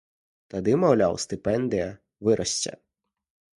Тады, маўляў, і стыпендыя вырасце.